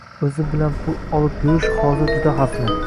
• O‘zi bilan pul olib yurish hozir juda xavfli;